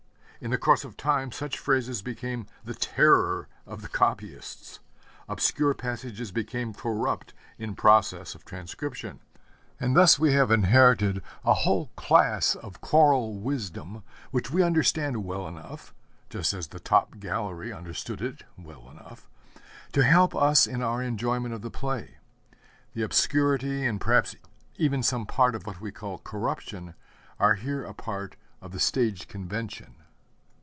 In the course of time such phrases became the terror of the copyists. Obscure passages became corrupt in process of transcription; and thus we have inherited a whole class of choral wisdom which we understand well enough (just as the top gallery understood it well enough) to help us in our enjoyment of the play. The obscurity, and perhaps even some part of what we call 'corruption,' are here a part of the stage convention.